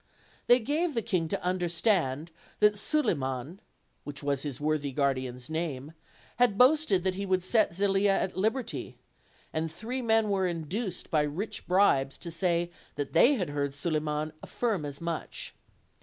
They gave the king to understand that Sulirnan (which was his worthy guardian's name) had boasted that he would set Zelia at liberty; and three men were induced by rich bribes to say that they had heard Suliman affirm as much.